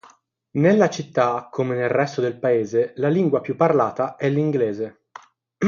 Nella città, come nel resto del Paese, la lingua più parlata è l'inglese.